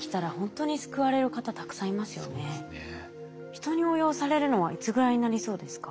人に応用されるのはいつぐらいになりそうですか？